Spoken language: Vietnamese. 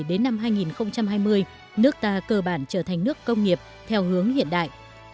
đến năm hai nghìn hai mươi nước ta cơ bản trở thành nước công nghiệp theo hướng hiện đại